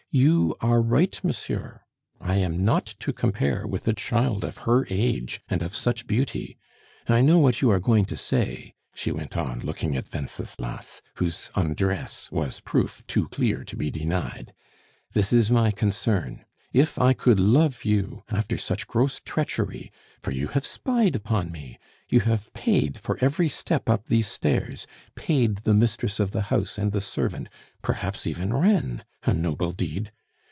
You are right, monsieur, I am not to compare with a child of her age and of such beauty! "I know what you are going to say," she went on, looking at Wenceslas, whose undress was proof too clear to be denied. "This is my concern. If I could love you after such gross treachery for you have spied upon me, you have paid for every step up these stairs, paid the mistress of the house, and the servant, perhaps even Reine a noble deed!